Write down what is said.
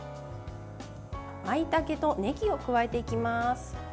まいたけとねぎを加えていきます。